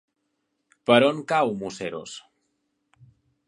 Per on cau Museros?